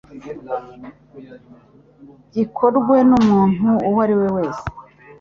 gikorwe n'umuntu uwo ari we wese